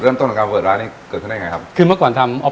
เริ่มต้นออนทัวร้านแรกนะครับกับร้านเส้นหลากสิบครับ